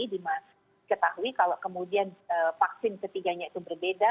jadi kita ketahui kalau kemudian vaksin ketiganya itu berbeda